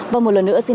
và một lần nữa xin